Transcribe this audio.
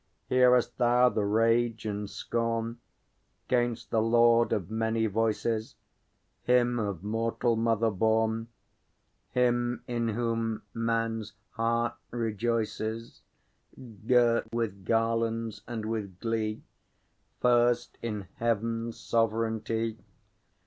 Hearest thou the rage and scorn 'Gainst the Lord of Many Voices, Him of mortal mother born, Him in whom man's heart rejoices, Girt with garlands and with glee, First in Heaven's sovranty?